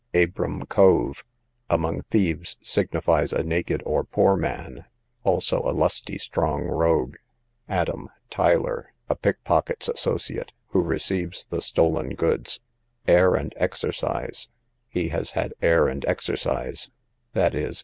Abram Cove, among thieves signifies a naked or poor man; also a lusty strong rogue. Adam, Tiler, a pickpocket's associate, who receives the stolen goods. Air and Exercise. He has had air and exercise, i.e.